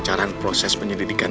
tahan tahan tahan